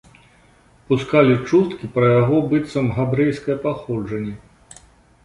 Пускалі чуткі пра яго быццам габрэйскае паходжанне.